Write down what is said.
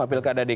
apil keadaan dki